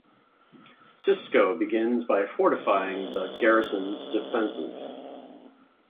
Sisko begins by fortifying the garrison's defenses.